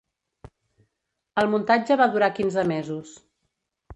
El muntatge va durar quinze mesos.